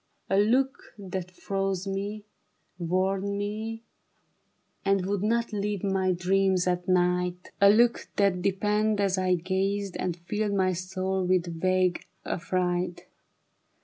A look that froze me, warmed me, dazed And would not leave my dreams at night ; THE BARRICADE. jj^ A look that deepened as I gazed, And filled my soul with vague affright.